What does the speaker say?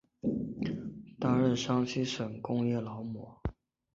担任山西省工业劳模。